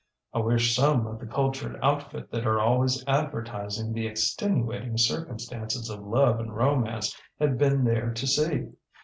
ŌĆ£I wish some of the cultured outfit that are always advertising the extenuating circumstances of love and romance had been there to see.